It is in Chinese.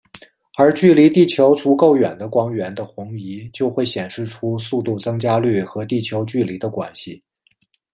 而距离地球足够远的光源的红移就会显示出速度增加率和地球距离的关系。